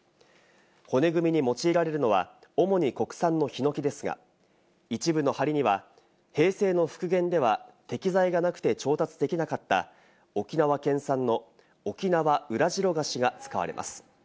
骨組みに用いられるのは主に国産のヒノキですが、一部の梁には平成の復元では適材がなくて調達できなかった、沖縄県産のオキナワウラジロガシが使われます。